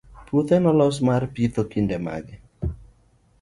puothe nolos mar pitho kinde mage?